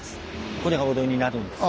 これが御土居になるんですが。